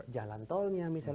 jalan tolnya misalnya